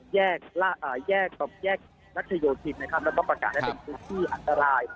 แยกรัฐโยทิศและประกาศเป็นพื้นที่อันตราย